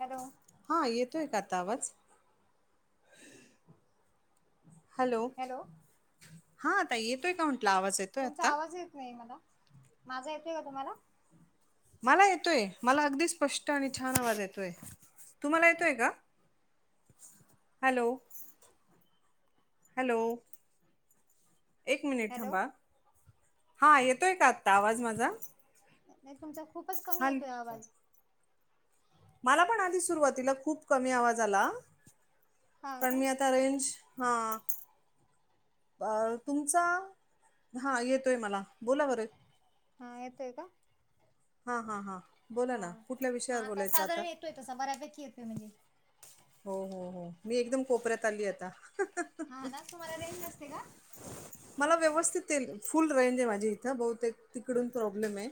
Hello हा येतोय का आता आवाज हॅलो हा ताई येतोय का म्हटलं आवाज येतोय. तुमचा आता आवाज येत नाही मला माझा येतोय का तुम्हाला? मला येतोय मला अगदी स्पष्ट आणि छान आवाज येतोय तुम्हाला येतोय का? [inaudible] हॅलो हॅलो एक मिनिट हॅलो थांबा हा येतोय का आत्ता आवाज माझा नाही तुमचा खूपच कमी हा येतोय आवाज मला पण आधी सुरुवातीला खूप कमी आवाज आला. हा पण का मी आता रेंज हा अ तुमचा हा येतोय मला बोला बरं हा येतोय का? हा हा हा बोला हा ना कुठल्या हा विषयावर बोलायचं आता साधारण येतोय तसा बऱ्यापैकी येतोय म्हणजे हो हो हो मी एकदम कोपऱ्यात आली आता हा ना तुम्हाला रेंज नसते का? मला व्यवस्थित येईल फुल रेंज आहे माझी इथं बहुतेक तिकडून प्रॉब्लेम आहे.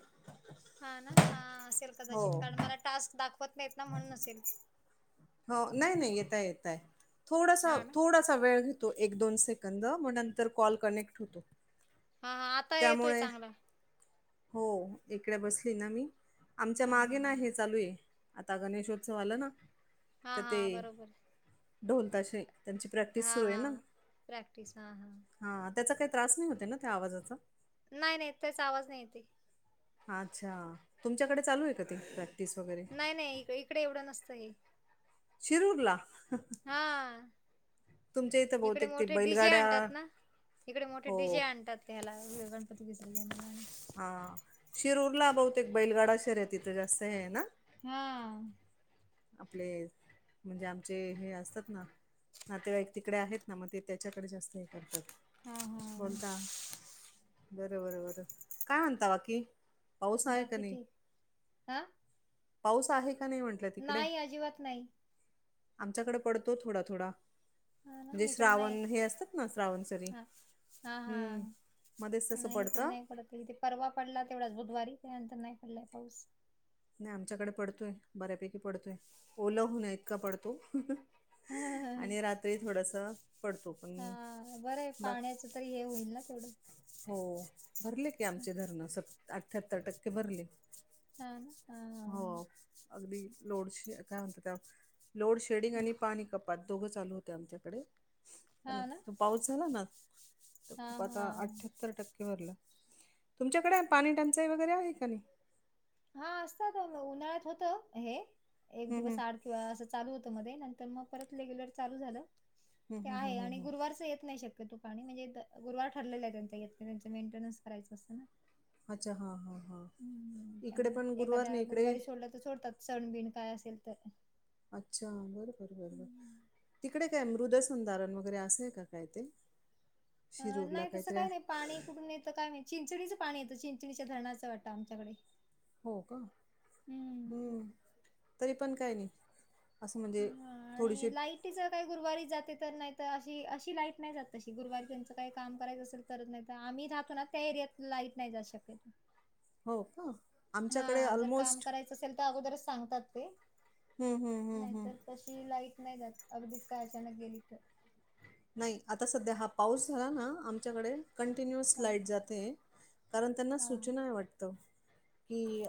हा ना हा असेल हो कदाचित कारण मला टास्क दाखवत नाहीत ना म्हणून नसेल. हो नाही नाही येताय येताय थोडासा हा ना थोडासा वेळ घेतो एक दोन सेकंद मग नंतर कॉल कनेक्ट होतो. हा हा आता येतोय त्यामुळे चांगला हो इकडे बसली ना मी आमच्या हा हा मागे ना हे चालू ये आता गणेशोत्सव आल ना हा तर हा ते बरोबर ढोल ताशे त्यांची प्रॅक्टिस हा सुरू ये हा ना प्रॅक्टिस हा हा हा त्याचा काही त्रास नाही होतये ना त्या आवाजाचा नाही नाही त्याचं आवाज नाही येतये. अच्छा तुमच्याकडे चालू ये का ते वगैरे नाही नाही इकडे एवढं नसतं हे शिरूरला हा तुमच्या इथं इकडे बहुतेक ते मोठे डीजे बैलगाड्या आणतात ना इकडे मोठे हो डीजे आणतात. त्याला गणपती विसर्जनला हा शिरूरला बहुतेक बैलगाडा शहर ये तिथे जास्त हे ये ना हा आपले म्हणजे आमचे हे असतात ना नातेवाईक तिकडे आहेत ना मग ते त्याच्याकडे जास्त हे करतात हा हा बोलता बर बर बर काय म्हणता बाकी पाऊस आहे का बाकी नाही? ठीक हा पाऊस आहे का नाही म्हटलं. नाही अजिबात नाही. आमच्याकडं पडतो थोडा थोडा. हा म्हणजे ना इकडे नाही श्रावण हे असतात ना श्रावण सरी हा हा हा हम्म. मध्येच तसं नाही इकडे पडतं. नाही पडत इथे परवा पडला तेवढाच बुधवारी त्यानंतर नंतर नाही पडलाय पाऊस. नाही आमच्याकडे पडतोय बऱ्यापैकी पडतोय ओला होण्या इतका पडतो. हा आणि रात्री थोडस पडतो पण बाकी आता हे होईल ना तेवढं. हो भरले की आमचे धरण स अठ्याहत्तर टक्के भरले. हा ना हा हा हो हा. अगदी लोड शे काय म्हणतात त्या लोडशेडिंग आणि पाणी कपात दोघ चालू होते आमच्याकडे पण हा ना आता तो पाऊस झाला ना तर हा खूप आता हा आत सतर टक्के भरलं तुमच्याकडे पाणी टंचाई वगैरे आहे का नाही? हा असतात उन्हाळ्यात होत हे एक हम्म दिवस हम्म आड किंवा असं चालू होतं मध्ये नंतर मग परत रेग्युलर चालू झालं. हम्म ते हम्म आहे हम्म हम्म आणि हम्म गुरुवारच येत नाही शक तो पाणी म्हणजे गुरुवार ठरलेला आहे त्यांचा त्यांच मेंटेनन्स करायं असतं ना. अच्छा हा हां हां हम्म, इकडे पण त्यामुळे गुरुवार एखाद्या नाही इकडे गुरुवारी सोडलं सोडतात सण बिण काय असेल तर. अच्छा बरोबर बरोबर. हम्म. तिकडे काय मृदेसंधारण वगैरे असेय काय ते? शिरूरला नाही तसं काहीतरी काय नाही पाणी आहे कुठून येत काय माहि चिंचणीचं पाणी येतं चिंचणीच्या धरणाचं वाटतं आमच्याकडे. हो का हम्म हम् तरी पण काय नाही. असं म्हणजे थोडीशी तीज काही गुरुवारी जाते तर नाही तर अशी अशी लाईट नाही जात तशी गुरुवारी त्यांचं काही काम करायचं असेल करत नाही तर आम्ही राहातो ना त्या एरियात लाईट नाही जात शक्यातो. हो का? आमच्याकडे ऑलमोस्ट नसेल तर अगोदरच सगतात ते, हम्म हम्म हम्म हम्म नाहीतर त ती लाईत नाही जात अगदीच काय अचानक गेली तर. नाही, आता सध्या हा पाऊस झाला ना आमच्याकडे कंटिन्युअस हां लाईट जाते. कारण त्यांना हां सूचनाय वाटत. कि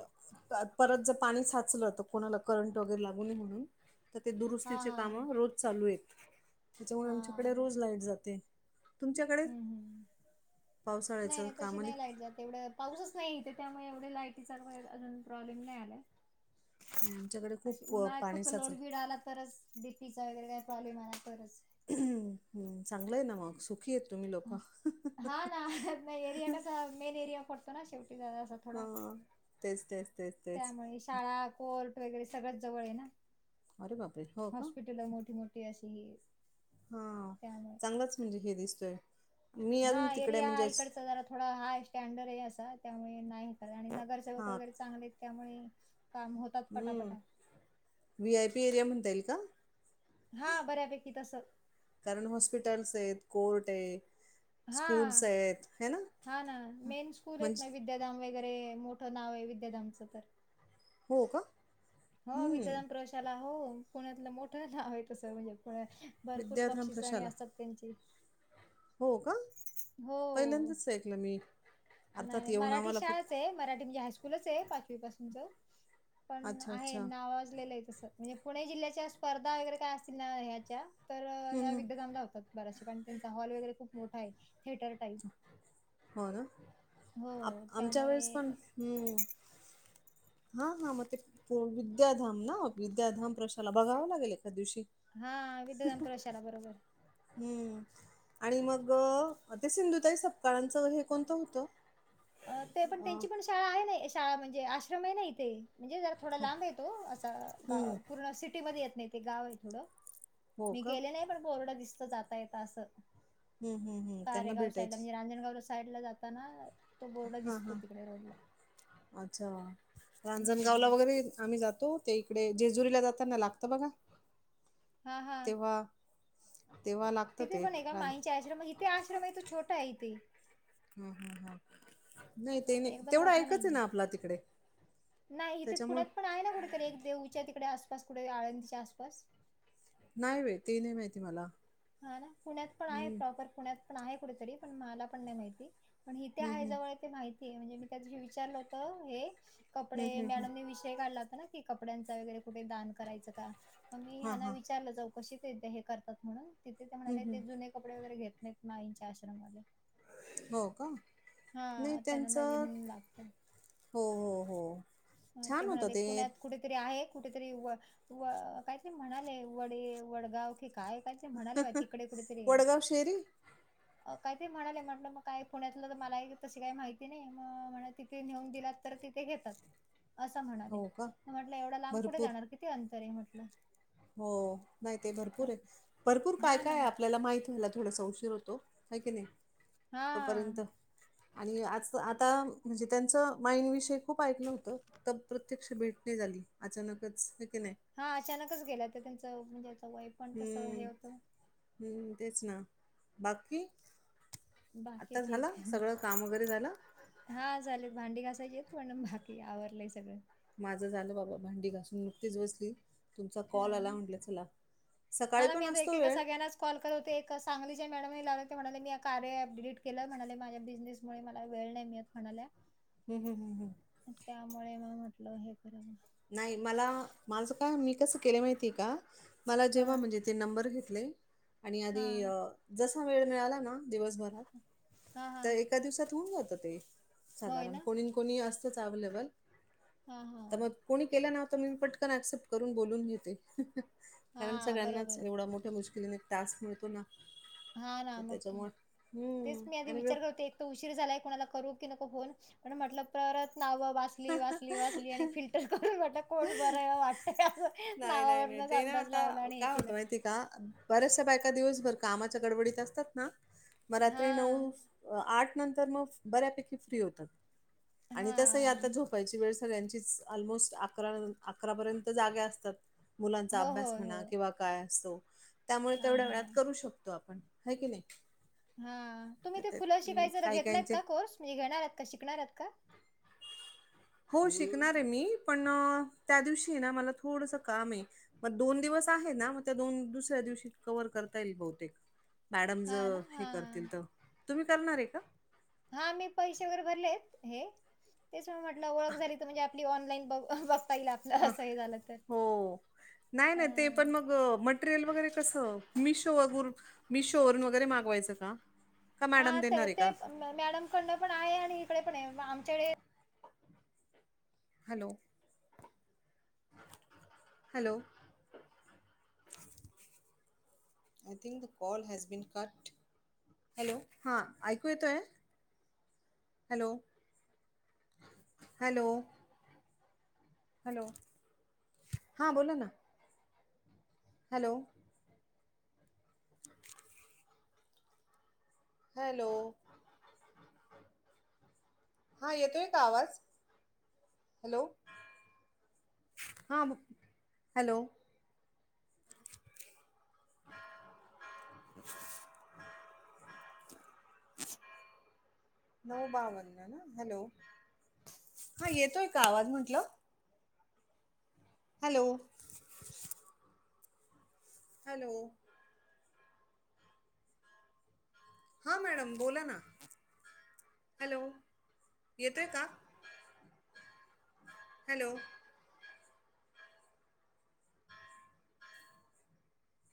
परत जर पाणी साचलं तर कोणाला करंट वगैरे लागू नये म्हणून. तर ते हां दुरुस्तीचे काम हां रोज चालू आहेत त्याच्यामुळे आमच्याकडे हां बर रोज लाईट जाते. तुमच्याकडे हम्म हम् नाही पावसाळ्याचं नाही तशी काम आणि नाही लाईट जात एवढं पाऊसच नाही इथे त्यामुळे एवढे लायटीचा अजून प्रॉब्लेम नाही आलाय. नाही आमच्याकडे अशी खूप अ, उन्हाळ्यात पाणी फक्त साचलं. लोडबीड आला तरच डीपीचा वगैरे काय प्रॉबलेम आला तरच हम चांगलंय ना मग सुख के तुम्ह हा ना, नाही एरिया कसा मेन एरिया पडतो ना शेवटी अस हा तेच तेच तेच तेच. त्यामुळे शाळा, कोर्ट वगैरे सगळ जवळ आहे ना अरे बापरे हो का? हॉस्पिटल मोठी मोठी. ते अशी त्यामुळे हाचांगलाच म्हणजे हे दिसतोय मी हा, अजून तिकडे एरिया म्हणजे इकडचा जरा थोडा हाय स्टँडर्ड हे असा त्यामुळे नाही हे करत आणि नगरसेवक हा वगैरे चांगलेत त्यामुळे काम होत हम्म, व्ही. आय. पी. एरिया म्हणता येईल का? हा बऱ्यापैकी तस कारण हॉस्पिटल्स आहेत, कोर्ट हे हा, हा ना मेन स्कूल आहेत ना म्हणजे विद्या धाम वगैरे मोठं नाव आहे विद्याधामचं तर हो का हो हम्म विद्याधाम प्रशाला, हो पुण्यातल मोठं नाव आहे तस म्हणजे पुण्यात. भरपूर विद्याधाम बक्षीस आणि प्रशाला असतात त्यांची हो का? हो, पहिल्यांदाच ऐकलं मी नाही अर्थात नाही येऊन मराठी आम्हाला फक्त शाळाच आहे, मराठीत म्हणजे हायस्कु स्कुलच आहे पाचवी पासूनच, पण अच्छा आहे अच्छा नावाजलेलं आहे तस म्हणजे पुणे जिल्ह्याच्या स्पर्धा वगैरे काय असतील ना ह्याच्या तर ह्या हम्म हम्म विद्याधामला होतात. बऱ्याशे पण त्यांचा हॉल वगैरे खूप मोठा आहे थेटर हो ना, हो. आप आमच्या त्यामुळे वेळेस पण हम्म हा हा म ते हो विद्याधाम ना, विद्याधाम प्रशाला बघाव लागेल एखाद दिवशी. हा विद्याधाम प्रशाला बरोबर. हम्म, आणि मग ते सिंधुताई सपकाळांच हे कोणतं होतं? अ ते पण अ त्यांची पण शाळा आहे ना शाळा म्हणजे आश्रम आहे नाही इथे म्हणजे जरा थोडा हो लांब ये तो असा गा हम्म पूर्ण सिटीमध्ये येत नाही ते गाव आहे थोड. हो मी का गेले नाही पण बोर्ड दिसतो जाता येत अस. हम्म हम्म हम्म त्यांना कारेगाव साईडला भेटायचे म्हणजे रांजणगाव रस् साईडला जाताना, तो बोर्ड हा दिसतो हा तिकडे रोडला. अच्छा. रांजणगावला हम्म. वगैरे आम्ही जातो. ते इकडे जेजुरीला जाताना लागत बघा, हा हा तेव्हा तेव्हा लाग तिथे पण आहे का माईंनचे आश्रम, मग इथे आश्रम आहे तो छोटा आहे इथे. हं हं हा. नाही ते अं, नाही, एकदम तेवढं मोठा एकच आहे नाहीये ना आपला तिकडे, त्याच्यामुळ राहायला कुठे तू [inaudible] तर एक देहूच्या तिकडे आसपास कुठे आळंदीच्या आसपास नाही व्हय ते नाही माहिती मला. हा ना, पुण्यात पण आहे हम्म प्रॉपर पुण्यात पण आहे कुठेतरी पण मला पण नाही माहिती. पण इथे हं, आहे हं. जवळ ते माहिती आहे म्हणजे मी त्या दिवशी विचारलं होत हे. हं, कपडे हं, हं. मॅडमने विषय काढला होता ना की कपड्यांचा वगैरे कुठे दान करायच का? म मी हां, ह्यांना हां. विचारलं चौकशी ते हे करतात म्हणून तिथे ते हं, म्हणाले ते हं. जुने कपडे वगैरे घेत नाहीत माईंच्या आश्रम मध्ये. हो का. हा नाही त्यांना नवीन त्यांचं लागत. हो हो हो. ते छान होतं म्हणाले पुण्यात कुठेतरी आहे कुठेतरी व व काहीतरी म्हणाले वडे वडगाव की काय काय ते म्हणाले बाई तिकडे कुठेतरी वडगाव शेरी? काही तरी म्हणाले. म्हटलं मग काय पुण्यातलं त मलाये तशी काही माहिती नाही म म्हणत ते नेऊन दिलात तर तिथे घेतात. असा म्हणाले. हो का? म्हटलं एवढा लांब कुठे भरपूर. जाणार किती अंतर आहे म्हटलं. हो नाही ते भरपूर आहे. भरपूर काय हा ना काय आपल्याला माहिती व्हायला थोडासा उशीर होतो. हाय की नाही हा तोपर्यत आणि आज आता म्हणजे त्यांचं माईन विषय खूप ऐकलं होतं. त प्रत्यक्ष भेट नाही झाली. अचानकच हे की नाही हा अचानकच गेल्या होत्या. त्यांच म्हणजे आता वय पण तसं हम्म हे होतं हम्म, तेच ना बाकी? बाकी आता ठीक झालं सगळं काम वगैरे झालं [inaudible] हा झालेत. भांडी घासायचेत पण बाकी आवरलंय सगळं. माझं झालं बाबा भांडी घासून नुकतीच बसली. तुमचा कॉल हा आला ना म्हटलं चला हा सकाळी ना मी पण आता असतो एकेका वेळ सगळ्यांनाच कॉल केलो ते एका सांगलीच्या मॅडमने लावले ते म्हणाले मी या कार्य ॲप डिलीट केलं म्हणाले माझ्या बिझनेस मुळे मला वेळ नाही मिळत म्हणाल्या. हम्म हम्म हम्म हम्म, त्यामुळे मग म्हटलं हे करावं. नाही मला माझं काय मी कसं केलं माहिती आहे का? मला हा जेव्हा म्हणजे ते नंबर घेतले. आणि हा आधी जसा वेळ मिळाला ना, दिवसभर हा हा त्या एका दिवसात होऊन जातं ते. होय साधारण ना कोणी कोणी असतंच अवेलेबल हा हा तर मग कोणी केलं ना, त मी पटकन ऍक्सेप्ट करून बोलून घेते. कारण हा सगळ्यांनाच बरोबर एवढा मोठ्या मुश्किलीने एक टास्क मिळतो ना, हा ना, तर मग त्याच्यामुळे तेच हम्म मी आधी आणि ब विचार करते. उशीर झालाय कोणाला करू की नको फोन. म्हटलं परत नावं वाचली वाचली वाचली आणि फिल्ट तर करून म्हटलं कोण बरं वाटतंय असं नावावरूनच अंदाज लावला आणि हे केलं. ती का बऱ्याचशा बायका दिवसभर कामाच्या गडबडीत असतात ना, मग हा रात्री नऊ आठ नंतर मग बऱ्यापैकी फ्री होतात. आणि हा तसही आता झोपायची ची वेळ सगळ्यांचीच ऑलमोस्ट अकरा न अकरापर्यत जाग्या असतात. मुलांचा हो हो अभ्यास हो म्हणा किंवा काय असतो. त्यामुळे हा तेवढ्या हा वेळात करू शकतो आपण हाय की नाही. हा तुम्ही ते फुलं शिकायचा त काही घेतला आहेत काहींचे का कोर्स मी घेणार का शिकणार आहेत का? हो शिकणार आहे मी. पण त्या दिवशी ना मला थोडसं काम आहे. मग दोन दिवस आहे ना, मग त्या दोन दुसऱ्या दिवशी कव्हर करता येईल बहुतेक मॅडम ज हा ना हे हा करतील त, तुम्ही करणार आहे का? हा मी पैसे वगैरे भरलेत हे तेच मी म्हटलं ओळख झाली त म्हणजे आणि ऑनलाईन बघू बघता येईल आपलं हां असं हे झालं तर हो नाही ह नाही ते पण मग मटेरियल वगैरे कसं मिशो वगून मिशो वरून वगैरे मागवायचं का? का हा मॅडम ते देणार आहे ते का मॅडम कडनं पण आहे आणि इकडे पण आहे आमच्याकडे hello, hello, I think the call has been cut. Hello हां ऐकू येतोय. हॅलो हॅलो, हॅलो, हा बोला ना, हॅलो हॅलो हा येतोय का आवाज, हॅलो हां ब हॅलो नऊ बावन ना, हॅलो हा येतोय का आवाज म्हंटलं. हॅलो हॅलो हा मॅडम बोला ना, हॅलो येतो आहे का? हॅलो